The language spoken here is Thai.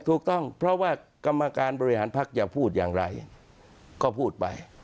ถูกต้องเพราะว่ากรรมการบริหารภักดิ์จะพูดอย่างไรก็พูดไป